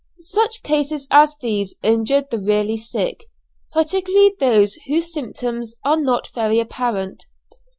Such cases as these injure the really sick, particularly those whose symptoms are not very apparent.